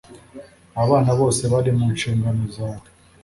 Aba bana bose bari mu nshingano zawe,